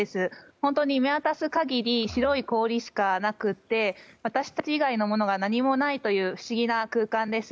本当に見渡す限り白い氷しかなくて私たち以外のものが何もない不思議な空間です。